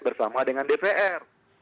bersama dengan dpr